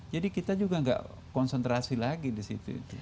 jadi kita juga nggak konsentrasi lagi di situ